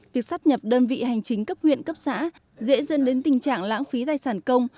việc sắp nhập đơn vị hành chính cấp huyện cấp xã dễ dân đến tình trạng lãng phí tài sản công